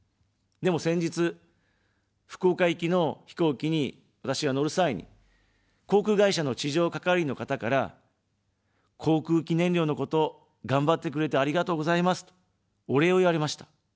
でも、先日、福岡行きの飛行機に私が乗る際に、航空会社の地上係員の方から、航空機燃料のことがんばってくれてありがとうございますと、お礼を言われました。